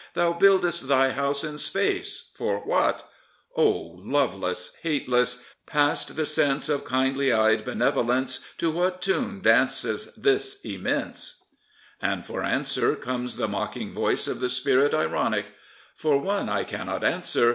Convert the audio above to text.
Thou build'st Thy house in space — for what ? O Loveless, Hateless 1 — past the sense Of kindly eyed benevolence, To what tune danceth this Immense? And for answer comes the mocking voice of the Spirit Ironic — For one I cannot answer.